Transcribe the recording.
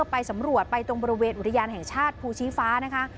ไปสำรวจไปตรงบริเวณอุทยานแห่งชาติภูชีฟ้านะคะ